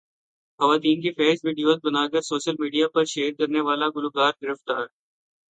خواتین کی فحش ویڈیوز بناکر سوشل میڈیا پرشیئر کرنے والا گلوکار گرفتار